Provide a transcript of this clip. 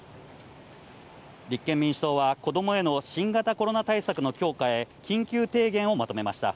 立憲民主党は、子どもへの新型コロナ対策の強化へ、緊急提言をまとめました。